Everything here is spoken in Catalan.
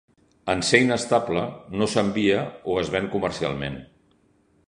En ser inestable, no s'envia o es ven comercialment.